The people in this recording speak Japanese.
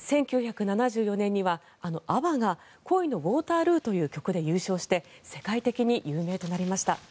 １９７４年にはあのＡＢＢＡが「恋のウォータールー」という曲で優勝して世界的に有名となりました。